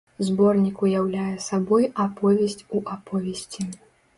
Зборнік уяўляе сабой аповесць у аповесці.